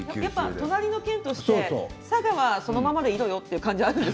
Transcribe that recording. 隣の県として佐賀はそのままでいいよという感じがあるんです。